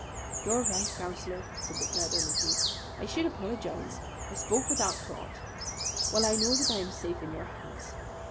"You are right, Councillor," said McMurdo meekly. "I should apologize. I spoke without thought. Well, I know that I am safe in your hands.